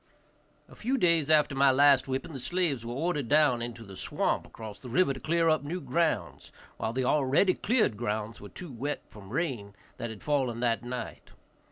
A few days after my last whipping the slaves were ordered down into the swamp across the river to clear up new grounds, while the already cleared lands were too wet from rain that had fallen that night.